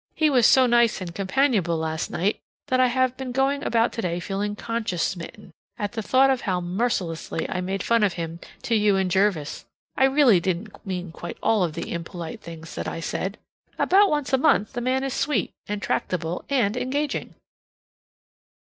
He was so nice and companionable last night that I have been going about today feeling conscience smitten at the thought of how mercilessly I made fun of him to you and Jervis. I really didn't mean quite all of the impolite things that I said. About once a month the man is sweet and tractable and engaging.